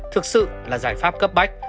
thực sự là giải pháp cấp bách